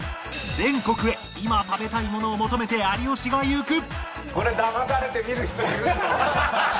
全国へ今食べたいものを求めて有吉が行く！